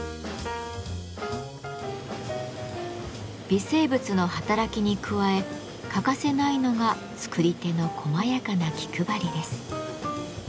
微生物の働きに加え欠かせないのが作り手のこまやかな気配りです。